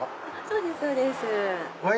そうですそうです。